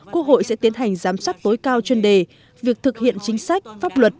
quốc hội sẽ tiến hành giám sát tối cao chuyên đề việc thực hiện chính sách pháp luật